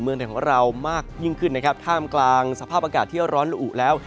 เมืองแด่งของเรามากยิ่งขึ้นนะครับถ้ามกลางสภาพอากาศยัดร้อนเหล่าอู๋แล้ว